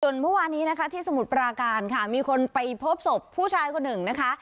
เมื่อวานนี้นะคะที่สมุทรปราการค่ะมีคนไปพบศพผู้ชายคนหนึ่งนะคะ